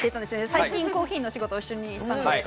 最近コーヒーの仕事を一緒にしたんで。